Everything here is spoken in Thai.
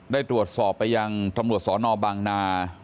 ได้ตรวจสอบไปยังตำรวจสนบางนา